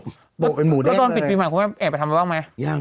ของฉันหน้าน่าเกียจเธอทำเลเซอร์อยู่แล้วเอามาประโคลแบบแดง